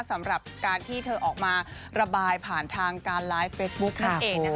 สำหรับการที่เธอออกมาระบายผ่านทางการไลฟ์เฟซบุ๊คนั่นเอง